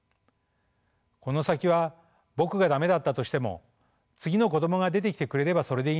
この先は僕が駄目だったとしても次の子供が出てきてくれればそれでいいんです。